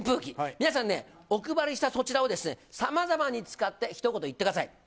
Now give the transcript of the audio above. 皆さんね、お配りしたそちらを、さまざまに使って、ひと言言ってください。